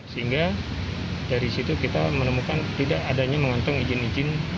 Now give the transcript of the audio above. sehingga dari situ kita menemukan tidak adanya mengantung izin izin